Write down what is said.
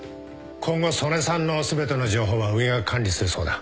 今後曽根さんの全ての情報は上が管理するそうだ。